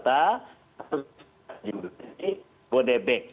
tapi di bodebek